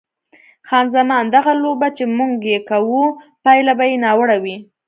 خان زمان: دغه لوبه چې موږ یې کوو پایله به یې ناوړه وي.